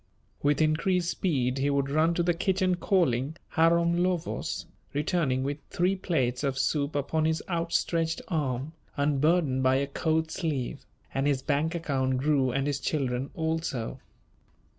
With increased speed he would run to the kitchen calling: "Harom Lövös," returning with three plates of soup upon his outstretched arm, unburdened by a coat sleeve; and his bank account grew and his children also.